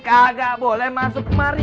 kagak boleh masuk kemari